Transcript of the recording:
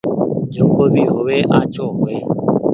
جڪو بي هووي آچهو هووي